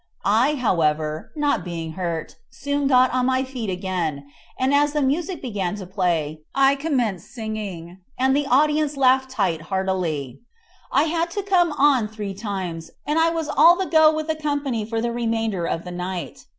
I, however, not being hurt, soon got on my feet again, and as the music began to play, I commenced singing, and the audience laughed right heartily. I had to come on three times, and I was all the go with the company for the remainder of the night.